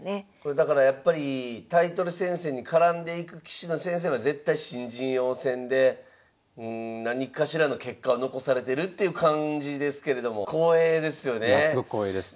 だからやっぱりタイトル戦線に絡んでいく棋士の先生は絶対新人王戦で何かしらの結果を残されてるっていう感じですけれども光栄ですよね。